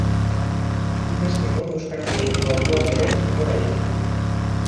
Ikastekok euskaraz egiteko hautuak ere gora egin du.